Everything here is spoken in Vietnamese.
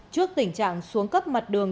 trước tình trạng xuống cấp mặt đường